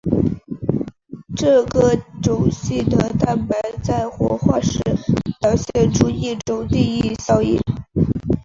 这个种系的蛋白在活化时表现出一种记忆效应。